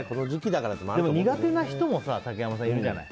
でも、苦手な人もいるじゃない。